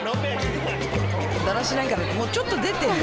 「だらしないから」ってもうちょっと出てるよね。